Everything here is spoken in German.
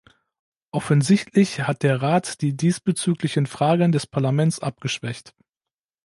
Offensichtlich hat der Rat die diesbezüglichen Fragen des Parlaments abgeschwächt.